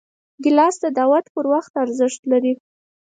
ګیلاس د دعوت پر وخت ارزښت لري.